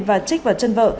và trích vào chân vợ